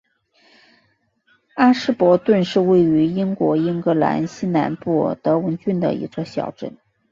阿什伯顿是位于英国英格兰西南部德文郡的一座小镇。